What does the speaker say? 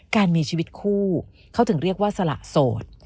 การมีชีวิตคู่เขาถึงเรียกว่าสละโสด